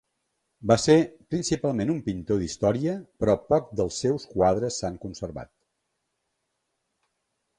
Va ser principalment un pintor d'història però poc dels seus quadres s'han conservat.